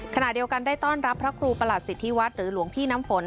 ขณะเดียวกันได้ต้อนรับพระครูประหลัสสิทธิวัฒน์หรือหลวงพี่น้ำฝน